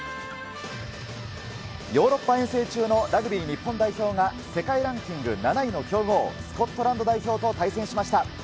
ヨーロッパ遠征中のラグビー日本代表が、世界ランキング７位の強豪、スコットランド代表と対戦しました。